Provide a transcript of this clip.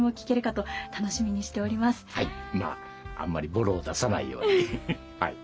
はいまああんまりボロを出さないようにはい。